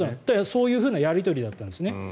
そういうふうなやり取りだったんですね。